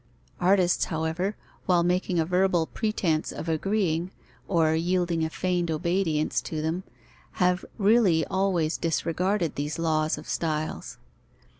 Artists, however, while making a verbal pretence of agreeing, or yielding a feigned obedience to them, have really always disregarded these laws of styles.